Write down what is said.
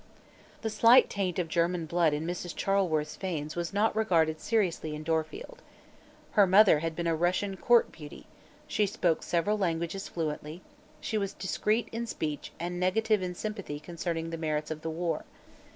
The slight taint of German blood in Mrs. Charleworth's veins was not regarded seriously in Dorfield. Her mother had been a Russian court beauty; she spoke several languages fluently; she was discreet in speech and negative in sympathy concerning the merits of the war.